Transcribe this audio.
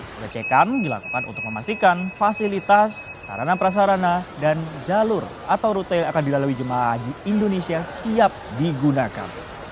pengecekan dilakukan untuk memastikan fasilitas sarana prasarana dan jalur atau rute yang akan dilalui jemaah haji indonesia siap digunakan